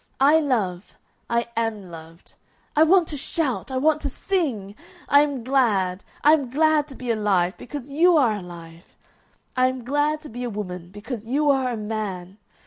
I love. I am loved. I want to shout! I want to sing! I am glad! I am glad to be alive because you are alive! I am glad to be a woman because you are a man!